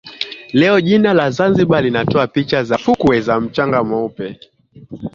Leo jina la Zanzibar linatoa picha za fukwe za mchanga mweupe